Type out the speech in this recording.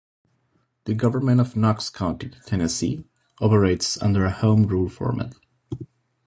The government of Knox County, Tennessee operates under a home rule format.